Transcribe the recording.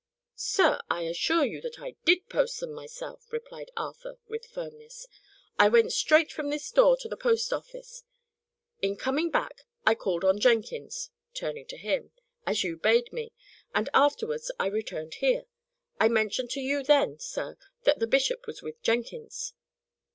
"Sir, I assure you, that I did post them myself," replied Arthur, with firmness. "I went straight from this door to the post office. In coming back, I called on Jenkins" turning to him "as you bade me, and afterwards I returned here. I mentioned to you, then, sir, that the bishop was with Jenkins."